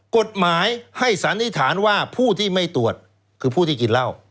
กฎหมายให้สันนิษฐานว่าผู้ที่ไม่ตรวจคือผู้ที่กินเหล้า